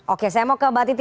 oke saya mau ke mbak titi